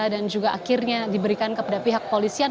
dan juga akhirnya diberikan kepada pihak polisian